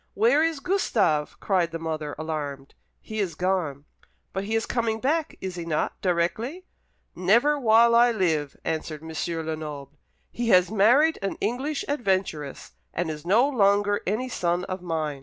"Where is Gustave?" cried the mother, alarmed. "He is gone." "But he is coming back, is he not, directly?" "Never while I live!" answered M. Lenoble. "He has married an English adventuress, and is no longer any son of mine."